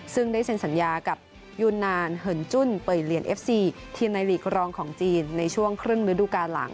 ซึ่งได้เซ็นสัญญากับยูนานเหินจุ้นเปิดเรียนเอฟซีทีมในหลีกรองของจีนในช่วงครึ่งฤดูการหลัง